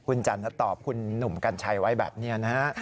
คุณจันทร์ตอบคุณหนุ่มกัญชัยไว้แบบนี้นะฮะ